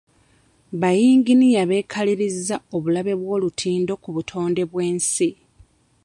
Ba yinginiya beekalirizza obulabe bw'olutindo ku butonde bw'ensi.